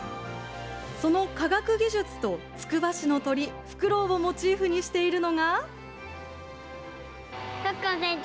その科学技術とつくば市の鳥フクロウをモチーフにしているのが。